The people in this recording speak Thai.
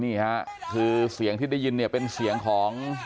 นี่ค่ะคือเสียงที่ได้ยินเนี่ยเป็นเสียงของ